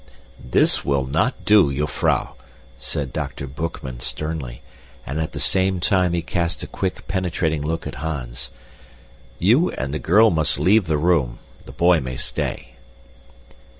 "This will not do, jufvrouw," said Dr. Boekman sternly, and at the same time he cast a quick, penetrating look at Hans. "You and the girl must leave the room. The boy may stay."